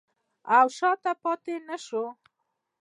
او شاته پاتې نشو.